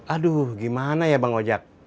aduh gimana ya bang ojek